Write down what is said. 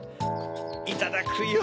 いただくよ。